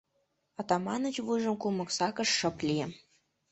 Атаманыч вуйжым кумык сакыш, шып лие.